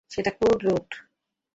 সেটা code red.